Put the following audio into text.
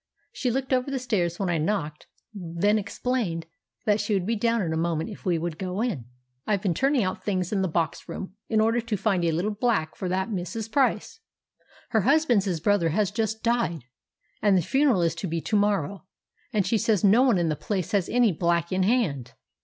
She looked over the stairs when I knocked, then explained that she would be down in a moment if we would go in. "I've been turning out things in the box room—in order to find a little black for that Mrs. Price. Her husband's brother has just died, and the funeral is to be to morrow, and she says no one in the place has any black in hand.